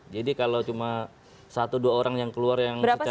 jadi kalau cuma satu dua orang yang keluar yang secara